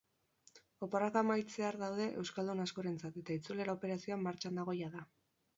Oporrak amaitzear daude euskaldun askorentzat eta itzulera operazioa martxan dago jada.